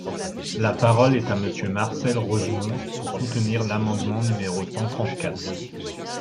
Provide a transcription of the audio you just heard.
La parole est à Monsieur Marcel Rogemont, pour soutenir l’amendement numéro cent trente-quatre.